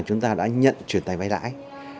chúng ta đã nhận truyền tài vay lãi